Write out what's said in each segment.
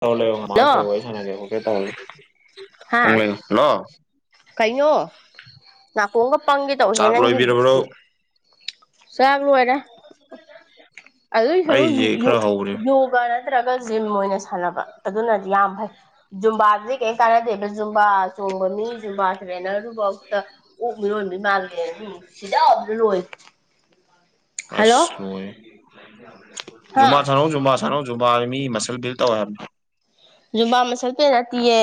ꯇ ꯃꯥ ꯍꯜꯂꯣ ꯀꯦꯩꯁꯥꯅ ꯀꯦ ꯀꯦ ꯇꯦ ꯀꯣ ꯅꯅꯥ ꯄꯣꯉ ꯄꯒꯗꯣ ꯆꯥꯛ ꯍꯅꯒꯤꯤꯦ ꯂꯣꯏꯕꯤꯔꯕ꯭ꯔꯣ ꯆꯥꯛ ꯂꯣꯏꯔ ꯑꯗꯨꯏ ꯁꯔꯨꯛ ꯑꯩꯁꯦ ꯈꯔ ꯍꯧꯔꯦ ꯌꯣꯒ ꯅꯠꯇ꯭ꯔꯒ ꯖꯤꯝ ꯑꯣꯏꯅ ꯁꯥꯟꯅꯕ ꯑꯗꯨꯅꯗꯤ ꯌꯥꯝ ꯐꯩ ꯖꯨꯝꯕꯥꯗꯨꯗꯤ ꯀꯩ ꯀꯥꯟꯅꯗꯦꯕ ꯖꯨꯝꯕꯥ ꯆꯣꯡꯕ ꯃꯤ ꯖꯨꯝꯕꯥꯁꯤꯦꯅ ꯐꯥꯎꯇ ꯑꯣꯛ ꯃꯤꯔꯣꯟꯕ ꯏ ꯃꯥꯜꯂꯦ ꯎꯝ ꯁꯤꯗ ꯌꯥꯕꯅ ꯂꯣꯏ ꯍꯜꯂꯣ ꯑꯁ ꯂꯣꯏꯔꯦꯍꯦ ꯍꯥ ꯖꯨꯝꯕ ꯁꯥꯅꯧ ꯖꯨꯝꯕꯥ ꯁꯥꯅꯩ ꯖꯨꯝꯕ ꯔꯃꯤ ꯃꯁꯜ ꯕꯤꯜ ꯇꯧꯋ ꯍꯥꯏꯕꯅꯤ ꯕꯥ ꯃꯁꯜ ꯄꯅꯇꯤꯌꯦ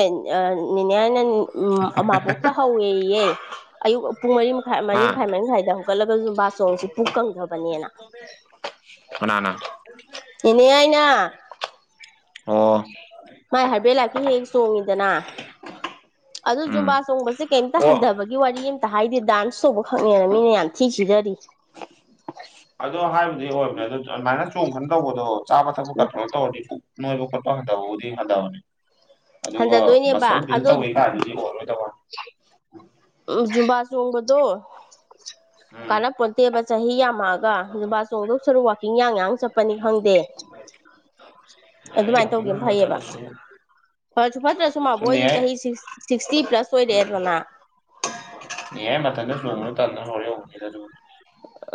ꯑꯅꯦꯅ ꯎꯥꯕꯣꯛꯇ ꯍꯧꯋꯦꯌꯦ ꯑꯌꯨꯛꯨꯡ ꯃꯈ ꯃ ꯍꯥ ꯃꯈꯥꯏ ꯍꯧꯒꯠ ꯑꯗꯨꯁꯨ ꯕꯥꯆꯣꯡꯁꯨ ꯄꯨꯛ ꯀꯪꯗꯕꯅꯦꯅ ꯍꯅꯥꯅ [inaudible] ꯑꯣ ꯃꯥꯏ ꯍꯥꯏꯔꯕꯦꯜ ꯂꯥꯛꯀꯤ ꯍꯦꯛ ꯆꯣꯡꯉꯤꯗꯅ ꯑꯗꯨ ꯖꯨꯝꯕꯥ ꯎꯝ ꯆꯣꯡꯁꯦ ꯀꯩꯝꯇ ꯑꯣ ꯍꯟꯊꯕꯒꯤ ꯋꯥꯔꯤ ꯍꯥꯏꯗꯤ ꯗꯥꯟꯁ ꯇꯧꯕ ꯈꯛꯅꯦꯅ ꯃꯤꯅ ꯌꯥꯝ ꯊꯤ ꯁꯤꯖꯔꯤ ꯑꯗꯣ ꯍꯥꯏꯕꯗꯤ ꯑꯣꯏꯕꯅꯦ ꯑꯗꯨ ꯑꯗꯨꯃꯥꯏꯅ ꯆꯣꯡꯈꯅ ꯇꯧꯕꯗꯣ ꯆꯥꯕ ꯊꯛꯄ ꯎꯝ ꯀꯇ꯭ꯔꯣ ꯇꯧꯔꯅꯤ ꯕ ꯄꯄ ꯍꯥꯗꯗꯤ ꯍꯥꯗꯥꯅꯦꯅꯤ ꯑꯗꯨꯒ ꯍꯟꯖꯗꯣꯏꯅꯦꯕ ꯃꯁꯜ ꯕꯤꯜ ꯑꯗꯣ ꯇꯧꯋꯤ ꯀꯥꯟꯗꯨꯗꯤ ꯑꯣꯏꯔꯣꯏꯗꯕ ꯎꯝ ꯖꯨꯝꯕꯥ ꯆꯣꯡꯕꯗꯣ ꯎꯝ ꯀꯥꯟꯅꯄꯣꯠꯇꯦꯕ ꯆꯍꯤ ꯌꯥꯝꯃꯛꯑꯒ ꯅꯨꯨꯄꯥ ꯆꯣꯡꯊꯣꯛ ꯁꯔꯨꯛ ꯋꯥꯥꯛꯀꯤꯡ ꯌꯥꯡ ꯌꯥꯡ ꯆꯠꯄꯅꯤ ꯈꯪꯗꯦ ꯆꯂ ꯁ ꯐ ꯐꯠꯇ꯭ꯔꯁꯨ ꯃꯥꯕꯨ ꯑꯣꯏꯗꯤ ꯆꯍꯤ ꯁꯤꯛꯁꯇꯤ ꯄ꯭ꯂꯁ ꯑꯣꯏꯔꯦ ꯑꯗꯨꯅ ꯅꯤꯌꯨꯔ ꯃꯇꯝꯗ ꯆꯣꯡ ꯇꯟꯕꯩ ꯍꯧꯔꯤ ꯑꯣꯏꯔꯝꯅꯤ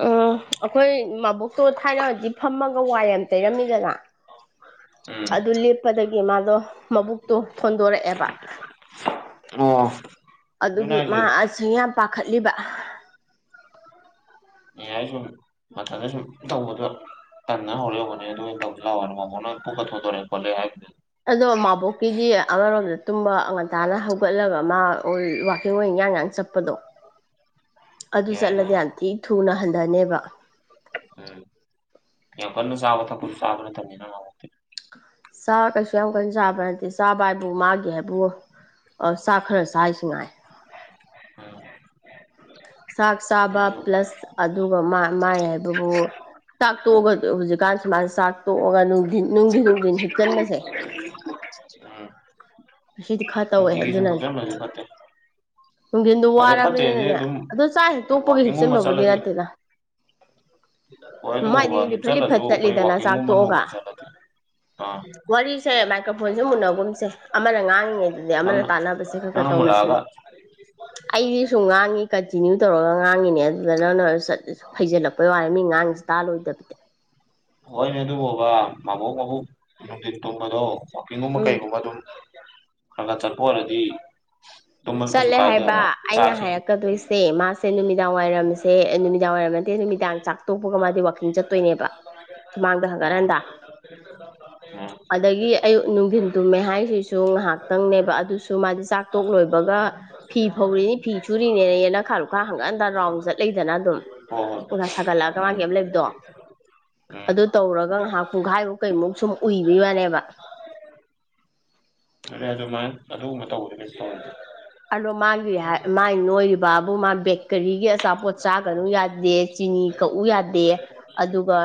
ꯎꯝ ꯑꯩꯈꯣꯏ ꯃꯕꯨꯇꯣ ꯊꯥꯏꯅꯗꯤ ꯐꯝꯃꯒ ꯋꯥꯏ ꯑꯃ ꯇꯩꯔꯝꯃꯤꯗꯅ ꯑꯗꯨ ꯂꯦꯞꯄꯗꯒꯤ ꯃꯥꯗꯣ ꯃꯕꯨꯛꯇꯣ ꯊꯣꯟꯗꯣꯔꯛꯑꯦꯕ ꯎꯝ ꯑꯣ ꯑꯗꯨꯅꯦ ꯑꯗꯨꯒꯤ ꯍꯥꯏꯁꯦ ꯃꯥ ꯑꯁ ꯌꯥꯝ ꯄꯥꯈꯠꯂꯤꯕ ꯌꯥꯥꯏ ꯁꯨꯝ ꯃꯊꯟꯗ ꯁꯨꯝ ꯇꯧꯕꯗꯣ ꯇ ꯅ ꯑꯣꯏꯔꯑꯣꯒꯅꯤ ꯇꯂ ꯋꯥ ꯋꯥꯔꯤꯔ ꯃꯥ ꯀꯅꯕꯨ ꯀꯊꯣ ꯇꯔꯦ ꯐꯣꯌꯦ ꯍꯥꯏ ꯑꯗꯣ ꯃꯕꯣꯛꯀꯤꯗꯤ ꯑꯃꯔꯣꯝꯗ ꯇꯨꯝꯕ ꯉ ꯉꯟꯇꯥꯅ ꯍꯧꯒꯠꯂꯒ ꯃꯥ ꯋꯥꯛꯀꯤꯡ ꯑꯣꯏꯅ ꯉꯥꯡ ꯉꯥꯡ ꯆꯠꯄꯗꯣ ꯑꯗꯨ ꯆꯠꯂꯗꯤ ꯌꯥꯝ ꯊꯤ ꯊꯨꯅ ꯍꯟꯊꯅꯦꯕ ꯅ ꯆꯕ ꯊ ꯄꯨꯁ ꯑꯗꯨꯅ ꯊꯅꯦ ꯆꯥ ꯀꯩꯁꯨ ꯌꯥꯝ ꯀꯟꯅ ꯆꯥꯕ꯭ꯔꯥ ꯅꯠꯇꯦ ꯆꯥꯕ ꯍꯥꯏꯕꯨ ꯃꯥꯒꯦ ꯍꯥꯏꯕꯣ ꯑ ꯆꯥꯛ ꯈꯔ ꯆꯁꯤ ꯉꯥꯏ ꯎꯝ ꯆꯥꯛ ꯆꯥꯕ ꯑꯗꯨ ꯄ꯭ꯂꯁ ꯑꯗꯨꯒ ꯃꯥꯏ ꯍꯥꯏꯕꯕꯨ ꯇꯣꯛꯑꯒ ꯍꯧꯖꯤꯛꯀꯥꯟ ꯁꯨꯃꯥꯏꯅ ꯆꯥꯛ ꯇꯣꯛꯑꯒꯅꯨꯡꯊꯤꯟ ꯅꯨꯡꯊꯤꯟ ꯅꯨꯡꯊꯤꯟ ꯍꯤꯞꯆꯜꯂꯁꯦ ꯎꯝ ꯁꯤꯗꯤ ꯈꯔ ꯇꯧꯋꯦ ꯅꯨꯡꯇꯤꯒꯤ ꯁꯨꯝ ꯑꯗꯨꯅꯅꯦ ꯊꯛꯆꯟꯕꯁꯨ ꯐꯠꯇꯦ ꯅꯨꯡꯊꯤꯟꯗꯨ ꯑꯗ ꯐꯠꯇꯦꯗꯤ ꯋꯥꯔꯕꯅꯤꯅꯅꯦ ꯑꯗꯨꯝ ꯑꯗ ꯆꯥꯛ ꯍꯦꯛ ꯇꯣꯛꯄꯒ ꯋꯥꯛꯀꯤꯡꯒꯨꯝꯕ ꯍꯤꯞꯆꯤꯟꯕꯕꯨꯗꯤ ꯆꯠꯂꯗꯤ ꯅꯠꯇꯦꯅ ꯍꯣꯏ ꯑꯗꯨꯕꯨꯕ ꯃꯥꯏꯗꯤ ꯂꯤꯐꯠ ꯍꯤꯞꯆꯜꯂꯁꯨ ꯂꯤꯐꯠ ꯑꯩꯈꯣꯏ ꯆꯠꯂꯤꯗꯅ ꯋꯥꯛꯀꯤꯡꯒꯨꯝꯕ ꯆꯥꯛꯇꯣꯛꯑꯒ ꯅꯣꯡꯃ ꯆꯠꯂꯗꯤ ꯑꯥ ꯋꯥꯔꯤꯁꯦ ꯃꯥꯏꯀ꯭ꯔꯣꯐꯣꯟꯁꯦ ꯃꯨꯟꯅꯒꯨꯝꯁꯦ ꯑꯃꯅ ꯉꯥꯡꯉꯤꯉꯩꯗꯗꯤ ꯑꯃꯅ ꯅꯪꯅ ꯇꯥꯟꯅꯕꯁꯦ ꯈꯔ ꯈꯔ ꯅꯪꯅ ꯇꯧꯅꯁꯤꯅꯤ ꯃꯨꯜꯂꯛꯑꯒ ꯑꯩꯗꯤ ꯁꯨꯝ ꯉꯥꯡꯉꯤ ꯀꯟꯇꯤꯅ꯭ꯌꯨ ꯇꯧꯔꯒ ꯉꯥꯡꯉꯤꯅꯦ ꯑꯗꯨꯗ ꯅꯪꯅꯠ ꯐꯩꯖꯜꯂꯛꯄꯩ ꯋꯥꯏꯦ ꯃꯤ ꯉꯥꯡꯁꯤꯦ ꯇꯥꯂꯣꯏꯗꯕꯅꯤ ꯍꯣꯏꯅꯦ ꯑꯗꯨ ꯕꯕꯥ ꯃꯕꯣꯛ ꯃꯕꯣꯛ ꯅꯨꯡꯊꯤꯟ ꯇꯨꯝꯕꯗꯣ ꯋꯥꯋꯥꯛꯀꯤꯡꯒꯨꯝꯕ ꯎꯝ ꯀꯩꯒꯨꯝꯕ ꯑꯗꯨꯝ ꯈꯔ ꯈꯔ ꯆꯠꯄ ꯑꯣꯏꯔꯗꯤ ꯇꯨꯝꯕꯁꯨ ꯀꯩꯁꯨ ꯆꯠꯂꯦ ꯍꯥꯏꯕ ꯀꯥꯏꯗꯦꯕ ꯆꯥꯛ ꯑꯩꯅ ꯏꯁꯤꯡ ꯍꯥꯏꯔꯛꯀꯗꯣꯏꯁꯦ ꯃꯥꯁꯦ ꯅꯨꯃꯤꯗꯥꯡ ꯋꯥꯏꯔꯝꯃꯤꯁꯦ ꯁꯦ ꯅꯨꯃꯤꯗꯥꯡ ꯋꯥꯏꯝ ꯅꯠꯇꯦ ꯅꯨꯃꯤꯗꯥꯡ ꯆꯥꯛ ꯇꯣꯛꯄꯒ ꯋꯥꯀꯤꯡ ꯆꯠꯇꯣꯏꯅꯦꯕ ꯁꯨꯃꯥꯡꯗ ꯎꯝ ꯍꯪꯒꯠ ꯎꯝ ꯍꯟꯗꯥ ꯑꯗꯒꯤ ꯑꯌꯨꯛ ꯅꯨꯡꯊꯤꯟ ꯇꯨꯝꯃꯦ ꯍꯥꯏꯁꯤꯁꯨ ꯉꯥꯏꯍꯥꯛꯇꯪꯅꯦꯕ ꯑꯗꯨꯁꯨ ꯃꯥꯗꯤ ꯆꯥꯛ ꯇꯣꯛ ꯂꯣꯏꯕꯒ ꯐꯤ ꯐꯧꯔꯤꯅꯤ ꯐꯤ ꯁꯨꯔꯤꯅꯦꯅꯦ ꯌꯦ ꯅꯈꯥ ꯂꯨꯈꯥ ꯍꯪꯉꯛꯑꯟꯗ ꯔꯥꯎꯟ ꯆꯠꯂꯗꯅ ꯑꯗꯨꯝ ꯍꯣꯏ ꯍꯣꯏ ꯑꯣꯖꯥ ꯁꯥꯒꯠꯂꯛꯑꯒ ꯎꯝ ꯃꯥꯒꯤꯩ ꯑꯃ ꯂꯩꯕꯗꯣ ꯎꯝ ꯑꯗꯨ ꯇꯧꯔꯒ ꯉꯥꯏꯍꯥꯛ ꯄꯨꯡꯈꯥꯏꯔ ꯀꯩꯃꯨꯛ ꯁꯨꯝ ꯎꯏꯕꯤ ꯋꯥꯅꯦꯕ ꯑꯗꯨ ꯑꯗꯨꯃꯥꯏꯅ ꯑꯗꯨꯒꯨꯝꯕ ꯇꯧꯕꯗ ꯀꯩꯁꯨ ꯇꯧꯔꯁꯦ ꯑꯗꯣ ꯃꯥꯒꯤ ꯃꯥꯒꯤ ꯅꯣꯏꯔꯤꯕ ꯕꯥꯕꯨ ꯃꯥ ꯕꯦꯀꯔꯤꯒꯤ ꯑꯆꯥꯄꯣꯠ ꯆꯥꯒꯅꯨ ꯌꯥꯗꯦ ꯆꯤꯅꯤ ꯀꯛꯎ ꯌꯥꯗꯦ ꯑꯗꯨꯒ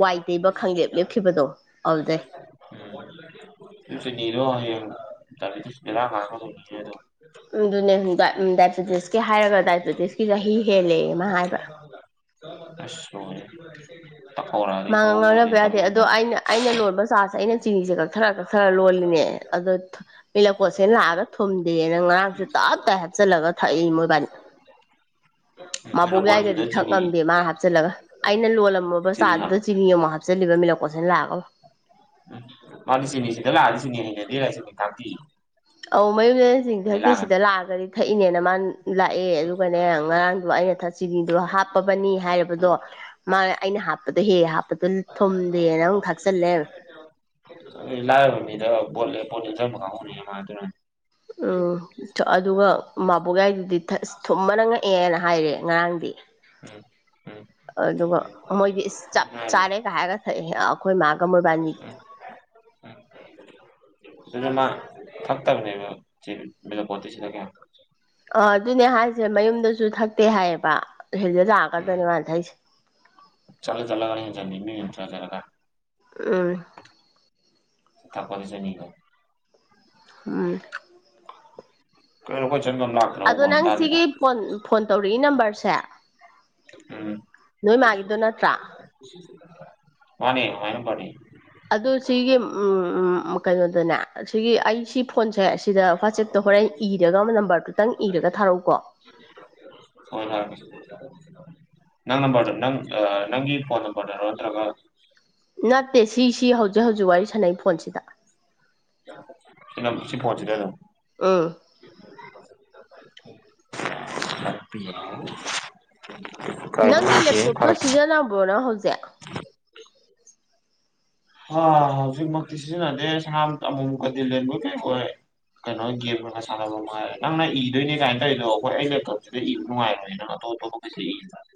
ꯋꯥꯏ ꯇꯩꯕ ꯈꯪꯂꯦꯞ ꯂꯦꯞꯈꯤꯕꯗꯣ ꯑꯗꯨꯖꯩ ꯁꯨ ꯔꯣ ꯍꯥꯏꯔ ꯀꯥꯗꯣ ꯑꯗꯨꯅ ꯍꯥꯏ ꯗꯥꯏꯕꯦꯇꯤꯁꯀꯤ ꯍꯥꯏꯔꯒ ꯗꯥꯏꯕꯦꯇꯤꯁꯀꯤ ꯆꯍꯤ ꯍꯦꯜꯂꯛꯦ ꯑꯃ ꯍꯥꯏꯕ ꯑꯁꯣꯅꯤ ꯃꯥꯡꯉ ꯉꯥꯡꯅꯕ ꯌꯥꯗꯦ ꯑꯗꯣ ꯑꯩꯅ ꯑꯩꯅ ꯂꯣꯟꯕ ꯆꯥꯔꯥꯁꯦ ꯑꯩꯅ ꯆꯤꯅꯤꯁꯦ ꯀꯛꯊꯔ ꯀꯛꯊꯔ ꯂꯣꯜꯂꯤꯅꯦ ꯑꯗꯣ ꯃꯤꯠꯂꯛꯄꯣꯠꯁꯦꯅ ꯂꯥꯛꯑꯒ ꯊꯨꯝꯗꯦꯅ ꯉꯔꯥꯡꯁꯨ ꯇꯥ ꯇꯞꯇ ꯍ ꯍꯥꯞꯆꯤꯜꯂꯒ ꯊꯛꯏ ꯃꯣꯏꯕꯥꯏꯅꯤ [unintelligible] ꯕꯣꯛ ꯌꯥꯏꯒꯗꯤ ꯆꯤꯅꯤ ꯊꯛꯂꯝꯝꯗꯦ ꯃꯥ ꯍꯥꯞꯆꯤꯜꯂꯒ ꯑꯩꯅ ꯂꯣꯜꯂꯝꯃꯕ ꯆꯤꯅꯤ ꯍꯥꯞ ꯆꯥꯗꯨꯗ ꯆꯤꯅꯤ ꯑꯃ ꯍꯥꯞꯆꯤꯜꯂꯤꯕ ꯃꯤꯂꯛꯀꯣꯠꯁꯤꯅ ꯂꯥꯛꯑꯒ ꯎꯝ ꯃꯥꯗꯤ ꯁꯤꯅꯤ ꯁꯤꯗꯂ ꯑ ꯑꯗꯨꯗꯤ ꯁꯤꯅꯤ ꯁꯤꯅꯤ ꯀꯥꯇ ꯑꯧ ꯃꯌꯨꯝ ꯃꯟꯁꯤꯡꯁꯤ ꯍꯛꯇꯤ ꯁꯤꯗ ꯂꯥꯛꯑꯒꯗꯤ ꯊꯛꯏꯅꯦꯅ ꯃꯥꯅ ꯂꯥꯛꯑꯦ ꯑꯗꯨꯒꯅꯦ ꯉꯔꯥꯡꯗꯣ ꯑꯩꯅ ꯊ ꯆꯤꯅꯤꯗꯣ ꯍꯥꯞꯄꯕꯅꯤ ꯍꯥꯏꯔꯕꯗꯣ ꯃꯥ ꯑꯩꯅ ꯍꯥꯞꯄꯗꯣ ꯍꯦ ꯍꯥꯞꯄꯗꯣ ꯊꯨꯝꯗꯦꯅ ꯑꯃꯨꯛ ꯊꯥꯛꯆꯜꯂꯦ ꯂꯑꯑꯣꯕꯃꯤꯗꯣ ꯣꯜꯁ ꯈꯥꯎꯅꯤ ꯃꯥ ꯑꯗꯨꯅ ꯎꯝ ꯑꯗꯨꯒ ꯃꯥꯕꯣꯛꯒꯥꯏꯗꯨꯗꯤ ꯑꯁ ꯊꯨꯝꯕꯅ ꯉꯛꯑꯦꯅ ꯍꯥꯏꯔꯦ ꯉꯔꯥꯡꯗꯤ ꯎꯝ ꯎꯝ ꯑꯗꯨꯒ ꯃꯣꯏꯗꯤ ꯑꯗꯨꯅꯦ ꯍꯥꯏꯁꯦ ꯆꯥꯔꯦꯒ ꯍꯥꯏꯔꯒ ꯊꯛꯑꯦ ꯑꯩꯈꯣꯏ ꯃꯥꯒ ꯃꯣꯏꯕꯥꯅꯤꯒꯤ [unintelligible] ꯃꯥ ꯊꯛꯛꯇ ꯄꯣꯠꯇꯁꯤ ꯀ ꯑ ꯑꯗꯨꯅꯦ ꯍꯥꯏꯁꯦ ꯃꯌꯨꯝꯗꯁꯨ ꯊꯛꯇꯦ ꯍꯥꯏꯌꯦꯕ ꯍꯦꯗ ꯂꯥꯀꯗꯅꯤ ꯋꯥꯅ ꯊꯥꯏꯁꯤ ꯆꯖꯔꯒ ꯑ ꯊꯥꯄꯁꯅꯤꯒ ꯑ ꯀꯣꯏ ꯑꯗꯣ ꯅꯪ ꯁꯤꯒꯤ ꯐꯣꯟ ꯐꯣꯟ ꯇꯧꯔꯛꯏ ꯅꯝꯕꯔꯁꯦ ꯅꯣꯏ ꯎꯝ ꯃꯥꯒꯤꯗꯣ ꯅꯠꯇ꯭ꯔꯥ ꯃꯥꯅꯤ ꯑꯅ ꯄꯅꯤ ꯑ ꯁꯤꯒꯤ ꯎꯝ ꯀꯩꯅꯣꯗꯅꯦ ꯁꯤꯒꯤ ꯑꯩꯁꯤ ꯐꯣꯟꯁꯦ ꯑꯁꯤꯗ ꯋꯥꯆꯦꯞꯇ ꯍꯣꯔꯦꯟ ꯏꯔꯒ ꯑꯃ ꯅꯝꯕꯔꯗꯨꯇꯪ ꯏꯔꯒ ꯊꯥꯔꯛꯎꯀꯣ ꯍꯣꯏ ꯍꯣꯏ ꯅꯪꯅꯝꯕꯔꯗꯨ ꯅꯪ ꯑ ꯅꯪꯒꯤ ꯐ‌ꯣꯟ ꯅꯝꯕꯔꯗ‌ꯣ ꯍꯥꯏꯔꯛꯑ‌ꯣ ꯅꯠꯇ꯭ꯔꯥꯒ ꯐꯠꯇꯦ ꯁꯤꯁꯤ ꯍꯧꯖꯤꯛ ꯍꯧꯖꯤꯛ ꯋꯥꯔꯤ ꯁꯥꯟꯅꯩ ꯐꯣꯟꯁꯤꯗ ꯁꯤ ꯐꯣꯟꯁꯤꯗ ꯑꯗꯨꯝ ꯑꯥ ꯍꯥꯄꯤ ꯅꯪꯒꯤ ꯂꯦꯞꯇꯣꯞꯇꯣ ꯁꯤꯖꯤꯟꯅꯕ꯭ꯔꯣꯅ ꯍꯧꯖꯤꯛ ꯍ ꯍꯧꯖꯤꯛꯃꯛꯇꯤ ꯁꯤꯖꯤꯟꯅꯗꯦꯁꯝꯇ ꯑꯃꯨꯛꯀꯗꯤ ꯂꯩꯃ ꯀꯩꯈ ꯀꯩꯅꯣ ꯒꯦꯝꯒꯒ ꯁꯥꯟꯅꯕ ꯃꯥꯏꯔꯦ ꯅꯪꯅ ꯏꯗꯣꯏꯅꯦ ꯀꯥꯏꯅ ꯇꯧꯔꯤꯗꯣ ꯑꯩꯈꯣꯏ ꯑꯩꯩꯅꯞꯁꯤꯗ ꯏꯕ ꯅꯨꯡꯉꯥꯏꯔꯅꯦꯅ [unintelligible]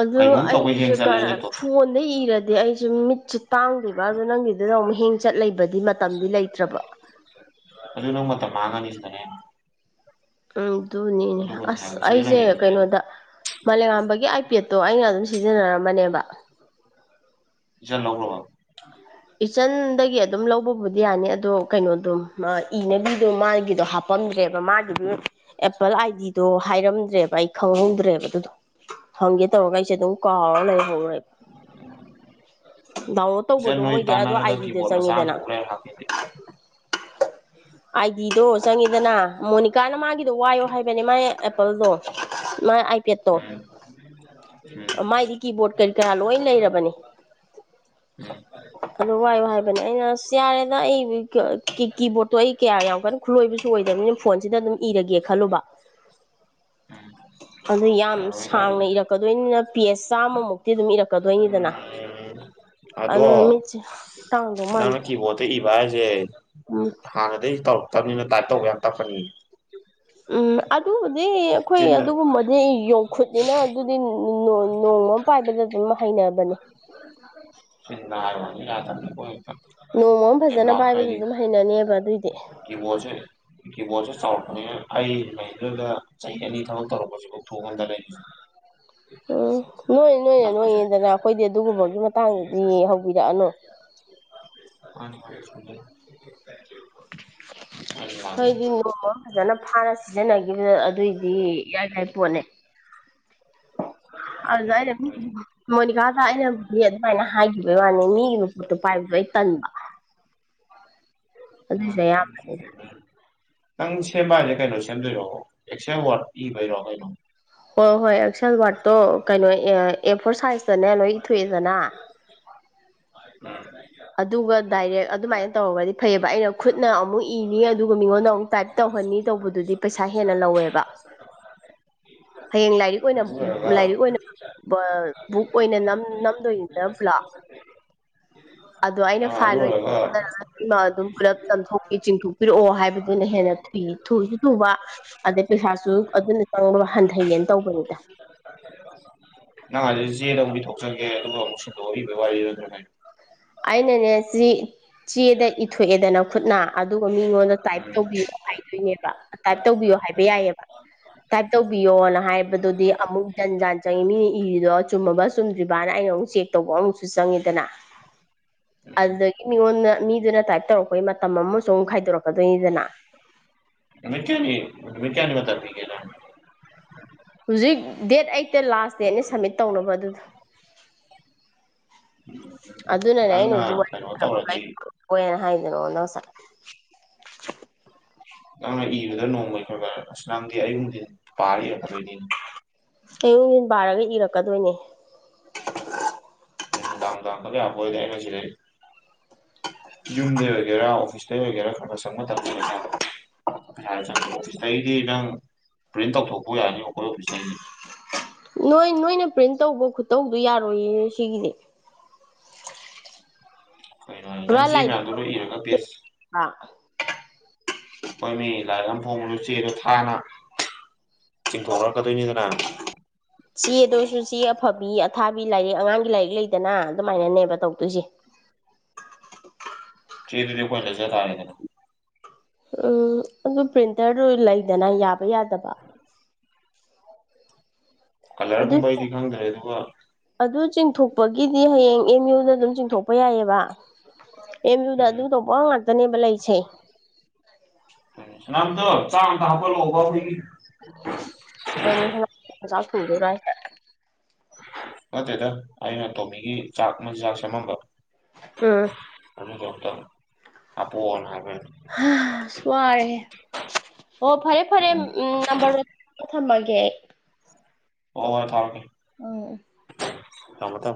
ꯑꯗꯨ ꯑꯩꯁꯦ ꯈ ꯆꯠꯂꯦ ꯂꯦꯞꯇꯣꯞ ꯐꯣꯟꯗ ꯏꯔꯗꯤ ꯑꯩꯁꯦ ꯃꯤꯠꯁꯤ ꯄꯥꯡꯗꯣꯏꯔꯤꯕ ꯑ ꯑꯗꯨꯣ ꯅꯪꯒꯤꯗꯨꯗ ꯑꯃꯨꯛ ꯍꯤꯡ ꯆꯠ ꯂꯩꯕꯗꯤ ꯃꯇꯝꯗꯤ ꯂꯩꯇ꯭ꯔꯕ ꯃꯥꯒꯥꯥꯅꯤꯁꯇꯅꯦ ꯎꯝ ꯑꯗꯨꯅꯤꯅꯦ ꯑꯁ ꯑꯩꯁꯦ ꯁꯤꯖꯤꯟꯅꯒꯦꯗꯤ ꯁꯤꯖꯤꯟꯅꯧ ꯀꯩꯅꯣꯗ ꯃꯥꯂꯦꯝꯉꯝꯕꯒꯤ ꯑꯥꯏꯄꯦꯗꯠꯇꯣ ꯑꯩꯅ ꯑꯗꯨꯝ ꯁꯤꯖꯤꯟꯅꯔꯝꯕꯅꯦꯕ ꯆ ꯂꯧꯔꯣ ꯏꯆꯟꯗꯒꯤ ꯑꯗꯨꯝ ꯂꯧꯕꯕꯨꯗꯤ ꯌꯥꯅꯤ ꯑꯗꯣ ꯀꯩꯅꯣꯗꯣ ꯏꯅꯕꯤꯗꯣ ꯃꯥꯒꯤꯗꯣ ꯍꯥ ꯝꯗ꯭ꯔꯦꯕ ꯃꯥꯒꯤ ꯑꯦꯄꯜ ꯑꯥꯏ ꯗꯤꯗꯣ ꯍꯥꯏꯔꯝꯗ꯭ꯔꯦꯕ ꯑꯩ ꯈꯪꯍꯧꯗ꯭ꯔꯦꯕ ꯑꯗꯨꯗꯣ ꯍꯪꯒꯦ ꯇꯧꯔꯒ ꯑꯩꯁꯦ ꯑꯗꯨꯝ ꯀꯥꯎꯔ ꯂꯩꯍꯧꯈꯦꯕ ꯗꯥꯎꯟꯂꯣ ꯇꯧ ꯏꯆꯟ ꯑꯗꯣ ꯅꯣꯏ ꯃꯣꯏꯗꯤ ꯑꯗꯨꯗꯣ ꯇꯥꯟꯅꯔꯒ ꯑꯥꯏꯗꯤꯗ ꯀꯤꯕꯣꯔꯗ ꯃꯆꯥ ꯑꯃ ꯆꯪꯉꯤꯗꯅ ꯀꯣꯛ ꯂꯩꯔ ꯍꯥꯞꯀꯦꯗꯤ ꯑꯥꯏꯗꯤꯗꯣ ꯆꯪꯉꯤꯗꯅ ꯃꯣꯅꯤꯀꯥꯅ ꯃꯥꯒꯤꯗꯣ ꯋꯥꯏꯌꯣ ꯍꯥꯏꯕꯅꯦ ꯃꯥꯥꯏ ꯑꯦꯄꯜꯗꯣ ꯄꯦꯠꯇꯣ ꯎꯝ ꯎꯝ ꯃꯥꯏꯗꯤ ꯀꯤꯕꯣꯔꯗ ꯀꯔꯤ ꯀꯔꯥ ꯂꯣꯏ ꯂꯩꯔꯕꯅꯤ ꯎꯝ ꯑꯗꯨ ꯋꯥꯏ ꯋꯥꯏꯕꯅꯦ ꯑꯩꯅ ꯁꯤ ꯌꯥꯔꯦꯗ ꯑꯩ ꯀꯤꯕꯣꯔꯠꯇꯣ ꯑꯩ ꯀꯌꯥ ꯌꯥꯝ ꯀꯟꯅ ꯈꯨꯠꯂꯣꯏꯕꯁꯨ ꯑꯣꯏꯗꯕꯅꯤꯅ ꯐꯣꯟꯁꯤꯗ ꯑꯗꯨꯝ ꯏꯔꯒꯦ ꯈꯜꯂꯨꯕ ꯎꯝ ꯑꯗꯨ ꯌꯥꯝ ꯌꯥꯔꯣꯏ ꯀꯥꯏꯗꯩ ꯁꯥꯡꯅ ꯏꯔꯛꯀꯗꯣꯏꯅꯤꯅ ꯄꯦꯁ ꯆꯥꯝꯃꯃꯨꯛꯇꯤ ꯑꯗꯨꯝ ꯏꯔꯛꯀꯗꯣꯏꯅꯤꯗꯅ ꯎꯝ ꯑꯗꯣ ꯑꯗꯨꯅ ꯃꯤꯠꯁꯦ ꯇꯥꯡꯗꯧ ꯅꯪꯅ ꯃꯥꯟꯕ ꯀꯤꯕꯣꯠꯇ ꯏꯕ ꯍꯥꯏꯁꯦ ꯍꯥꯟꯅꯗꯒꯤ ꯇꯧꯔꯛꯇꯕꯅꯤꯅ ꯇꯥꯏꯞ ꯇꯧꯕ ꯌꯥꯝ ꯇꯛꯄꯅꯤ ꯎꯝ ꯑꯗꯨꯕꯨꯗꯤ ꯑꯩꯈꯣꯏ ꯑꯗꯨꯒꯨꯝꯕꯗꯤ ꯌꯧꯈꯨꯠꯅꯤꯅ ꯑꯗꯨꯗꯤ ꯅꯣꯡꯃ ꯑꯃ ꯄꯥꯏꯕꯗ ꯑꯗꯨꯝ ꯍꯩꯅꯕꯅꯦ ꯅꯥ ꯃꯅꯤ ꯌꯥꯗ ꯍꯣ ꯅꯣꯡꯃꯝ ꯐꯖꯅ ꯄꯥꯏꯕꯗꯨ ꯑꯗꯨꯝ ꯍꯩꯅꯅꯦꯕ ꯑꯗꯨꯑꯣꯏꯗꯤ ꯀ ꯀꯣꯁꯦ ꯀꯤꯕꯣꯔꯗꯁꯦ ꯆꯥꯎꯔꯛꯄꯅꯤ ꯑꯩ ꯃꯗꯨꯣꯏꯗ ꯆꯍꯤ ꯑꯅꯤ ꯊꯕꯛ ꯇꯧꯔꯛꯄꯁꯤꯐꯥꯎ ꯊꯣꯛꯑꯒꯅꯤ ꯎꯝ ꯅꯣꯏ ꯅꯣꯏꯅꯦ ꯅꯝꯕꯁꯦ ꯅꯣꯏꯅꯦꯗꯅ ꯑꯩꯈꯣꯏꯗꯤ ꯑꯗꯨꯒꯨꯝꯕꯒꯤ ꯃꯇꯥꯡꯗꯗꯤ ꯍꯧꯕꯤꯔꯛꯑꯅꯨ ꯑ ꯀꯦ ꯍꯣꯏꯗꯤ ꯐꯖꯅ ꯐꯥꯅ ꯁꯤꯖꯤꯟꯅꯈꯤꯕꯗ ꯑꯗꯨꯏꯗꯤ ꯌꯥꯏ ꯌꯥꯏ ꯄꯣꯠꯅꯦ ꯑꯗꯨꯗ ꯑꯩꯅ ꯃꯤ ꯃꯣꯅꯤꯀꯥꯗ ꯑꯩꯅꯕꯨꯗꯤ ꯑꯗꯨꯃꯥꯏꯅ ꯍꯥꯏꯈꯤꯕꯒꯤ ꯋꯥꯅꯤ ꯃꯤꯒꯤꯕꯨ ꯄꯣꯠꯇꯣ ꯄꯥꯏꯕꯗ ꯀꯜꯕ ꯎꯝ ꯎ ꯑꯌꯥꯝꯕꯅꯤꯗ ꯅꯇꯪ ꯁꯦꯝꯕ ꯍꯥꯏꯁꯦ ꯀꯩꯅꯣ ꯁꯦꯝꯗꯣꯏꯔꯣ ꯑꯦꯛꯁꯦꯟ ꯋꯥꯔꯗ ꯏꯕꯩꯔꯣ ꯀꯩꯅꯣ ꯍꯣꯏ ꯍꯣꯏ ꯑꯦꯛꯁꯦꯜ ꯋꯥꯔꯗꯠꯇꯣ ꯀꯩꯅꯣ ꯑꯦ ꯑꯦ ꯐꯣꯔ ꯁꯥꯏꯖꯇꯅꯦ ꯂꯣꯏ ꯏꯊꯣꯛꯑꯦꯗꯅ ꯐ ꯑꯗꯨꯒ ꯗꯥꯏꯔꯦꯛ ꯑꯗꯨꯃꯥꯏꯅ ꯇꯧꯔꯒꯗꯤ ꯐꯩꯌꯦꯕ ꯑꯩꯅ ꯈꯨꯠꯅ ꯑꯃꯨꯛ ꯏꯅꯤ ꯑꯗꯨꯒ ꯃꯤꯉꯣꯟꯗ ꯑꯃꯨꯛ ꯇꯥꯏꯞ ꯇꯧꯍꯅꯤ ꯇꯧꯕꯗꯨꯗꯤ ꯄꯩꯁꯥ ꯍꯦꯟꯅ ꯂꯧꯋꯦꯕ ꯍꯌꯦꯡ ꯂꯥꯏꯔꯤꯛ ꯑꯣꯏꯅ ꯑꯗꯨ ꯑꯣꯏꯔꯒ ꯂꯥꯏꯔꯤꯛ ꯑꯣꯏꯅ ꯕꯨꯛ ꯑꯣꯏꯅꯝ ꯅꯝꯗꯣꯏ [unintelligible] ꯑꯗ ꯑꯩꯅ ꯑꯗꯨ ꯐꯥꯏꯜ ꯑꯣꯏꯔꯒ ꯑꯣꯏꯅꯑ ꯄꯨꯂꯞꯊꯄꯤ ꯆꯤꯡꯊꯣꯛꯄꯤꯔꯛꯑꯣ ꯍꯥꯏꯕꯗꯨꯅ ꯍꯦꯟꯅ ꯊꯨꯏ ꯊꯨꯁꯨ ꯊꯨꯕ ꯑꯗꯩ ꯄꯩꯁꯥ ꯁꯨꯛ ꯑꯗꯨꯅ ꯆꯪꯅꯕ ꯍꯟꯊꯩꯌꯦꯦꯅ ꯇꯧꯕꯅꯤꯗ ꯅꯪ ꯍꯥꯏ ꯆꯦꯜꯗ ꯑꯃ ꯊꯣꯛꯆꯒꯦ ꯑꯗꯨꯒ ꯑꯃꯨꯛ ꯁꯨꯗꯣꯛꯑꯛꯏꯕ ꯋꯥꯔꯤꯗꯨ ꯑꯗꯨꯅ ꯑꯩꯅꯅꯦ ꯁꯤ ꯆꯦꯗ ꯏꯊꯣꯛꯑꯦꯗꯅ ꯈꯨꯠꯅ ꯑꯗꯨꯒ ꯃꯤꯉꯣꯟꯗ ꯇꯥꯏꯞ ꯇꯧꯕꯤꯌꯣ ꯍꯥꯏꯗꯣꯏꯅꯦꯕ ꯇꯥꯏꯞ ꯇꯧꯕꯤꯌꯣ ꯍꯥꯏꯕ ꯌꯥꯏꯑꯕ ꯇꯥꯏꯞ ꯇꯧꯕꯤꯌꯣꯅ ꯍꯥꯏꯕꯗꯨꯗꯤ ꯑꯃꯨꯛ ꯖꯟ ꯖꯥꯟ ꯆꯪꯉꯤ ꯃꯤꯅ ꯏꯔꯤꯗꯣ ꯆꯨꯝꯃꯕ ꯆꯨꯝꯗ꯭ꯔꯤꯕꯅ ꯑꯩ ꯑꯩꯅ ꯑꯃꯨꯛ ꯆꯦꯛ ꯇꯧꯕ ꯑꯃꯨꯛꯁꯨ ꯆꯪꯉꯤꯗꯅ ꯑꯗꯨꯗꯒꯤ ꯃꯤꯉꯣꯟꯗ ꯃꯤꯗꯨꯅ ꯇꯥꯏꯞ ꯇꯧꯔꯛꯄꯩ ꯃꯇꯝ ꯑꯃꯁꯨ ꯑꯃꯨꯛ ꯈꯥꯏꯗꯣꯔꯛꯀꯗꯣꯏꯅꯤꯗꯅ ꯅꯨꯃꯤꯠ ꯀꯌꯥꯅꯤ ꯅꯨꯃꯤꯠ ꯀꯌꯥꯅꯤ ꯃꯇꯝ ꯄꯤꯒꯦ ꯅꯪ ꯍꯧꯖꯤꯛ ꯗꯦꯠ ꯑꯩꯠꯇ ꯂꯥꯁ ꯗꯦꯠꯅꯦ ꯁꯝꯃꯤꯠ ꯇꯧꯅꯕ ꯑꯗꯨꯗ ꯑꯩꯅ ꯉꯪꯅ ꯀꯩꯅꯣ ꯇꯧꯔꯗꯤ ꯃꯅ ꯅꯪꯅ ꯏꯕꯗ ꯅꯣꯡꯃꯩ ꯈꯔ ꯈꯔ ꯑꯁ ꯅꯪꯗꯤ ꯑꯌꯨꯝꯕꯗꯤ ꯄꯥꯔꯤ ꯑꯌꯨꯛ ꯌꯦꯟ ꯥꯔꯒ ꯏꯔꯛꯀꯗꯣꯏꯅꯦ ꯎꯝ ꯗꯥꯡ ꯇꯝ ꯀ ꯌꯥꯝꯕꯨꯣꯏꯗꯏ ꯃ ꯁꯤꯗꯦ ꯌꯨꯝꯗꯩ ꯑꯣꯏꯒꯦꯔꯥ ꯑꯣꯐꯤꯁꯇꯩ ꯑꯣꯏꯒꯦꯔꯥ ꯈꯔ ꯃ ꯆꯪꯕ ꯇꯔ ꯈꯔ ꯆ ꯑꯣꯐꯤꯁ ꯇ ꯄꯔꯤꯇꯞ ꯊꯣꯛꯄꯎ ꯌꯥꯅꯤꯈꯔꯣ ꯄꯤꯁꯥꯏ ꯅꯣꯏ ꯅꯣꯏꯅ ꯄ꯭ꯔꯤꯟ ꯇꯧꯕ ꯈꯨꯠꯇꯧꯗꯨ ꯌꯥꯔꯣꯏꯌꯦ ꯁꯤꯒꯤꯗꯤ ꯀꯩꯅꯣ ꯄꯨꯔꯥ ꯅꯪ ꯁꯤ ꯂꯥꯏꯔꯤꯛ ꯃꯌꯥꯝꯗꯨ ꯂ ꯏꯔꯒ ꯄꯦꯁꯤ ꯑꯩꯈꯣꯏ ꯃꯤ ꯂꯥꯏꯔꯤꯛ ꯑꯃ ꯐꯣꯡꯉꯁꯨ ꯆꯦꯔꯣ ꯊꯥꯅ ꯆꯤꯡꯊꯣꯛꯂꯛꯀꯗꯣꯏꯅꯤꯗꯅ ꯆꯦꯗ ꯑꯣꯏꯔꯁꯨ ꯆꯦ ꯑꯐꯕꯤ ꯑꯊꯥꯕꯤ ꯂꯥꯏꯔꯤꯛ ꯑꯉꯥꯡꯒꯤ ꯂꯥꯏꯔꯤꯛ ꯂꯩꯗꯅ ꯑꯗꯨꯃꯥꯏꯅꯅꯦꯕ ꯇꯧꯗꯣꯏꯁꯦ [unintelligible] ꯆꯗꯤ ꯀ ꯆꯦ ꯇꯥꯗꯅ ꯎꯝ ꯑꯗꯨ ꯄ꯭ꯔꯤꯟꯇꯔꯗꯨ ꯂꯩꯗꯅ ꯌꯥꯕ ꯌꯥꯗꯕ ꯀꯜꯔ ꯑꯗꯨ ꯀꯨꯝꯕꯗꯤ ꯈꯪꯗꯔꯦ ꯑꯗꯨ ꯋꯥ ꯑꯗꯨ ꯆꯤꯡꯊꯣꯛꯄꯒꯤꯗꯤ ꯍꯌꯦꯡ ꯑꯦꯝ ꯌꯨꯗ ꯑꯗꯨꯝ ꯆꯤꯡꯊꯣꯛꯄ ꯌꯥꯏꯑꯕ ꯑꯦꯝ ꯎꯝ ꯌꯗꯗꯗꯨꯗꯣ ꯄꯉ ꯇꯅꯦꯕꯂꯥꯏꯁ ꯅꯪꯗꯨꯣ ꯆꯥꯡ ꯀꯕ ꯂꯕ ꯑꯣꯏ ꯆꯥꯛ ꯊꯣꯡꯗꯣꯏꯔꯣ ꯍꯥꯏꯁꯦ ꯅꯠꯇꯦꯗ ꯑꯩꯅ ꯇꯣꯝꯃꯤꯒꯤ ꯆꯥꯛ ꯃꯆꯤꯟꯖꯥꯛ ꯁꯦꯝꯃꯝꯕ ꯎꯝ ꯑꯗꯨ ꯀꯗ ꯑ ꯑꯣꯅ ꯍꯥꯏ ꯁ꯭ꯋꯥꯔꯦ ꯑꯣ ꯐꯔꯦ ꯐꯔꯦ ꯎꯝ ꯅꯝꯕꯔ ꯊꯝꯃꯒꯦ ꯑꯩ ꯍ ꯊꯥꯎꯦ ꯎꯝ ꯎꯝ ꯀꯃ ꯇ